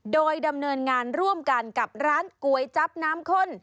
โดยดำเนินงานร่วมกันกับร้านก๋วยจั๊บน้ำข้น